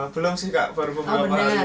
belum sih kak baru beberapa kali